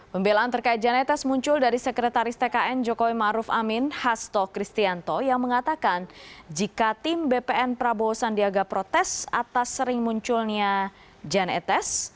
pembelaan terkait jan etes muncul dari sekretaris tkn jokowi maruf amin hasto kristianto yang mengatakan jika tim bpn prabowo sandi agak protes atas sering munculnya jan etes